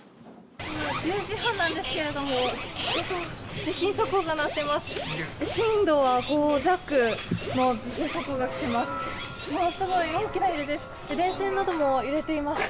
１０時半なんですけれども地震速報が鳴っています。